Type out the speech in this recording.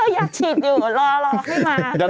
ยังฉีดอยู่รอไม่มา